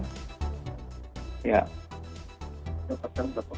ya dapat kami laporkan